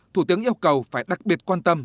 thủ tướng yêu cầu phải đặc biệt quan tâm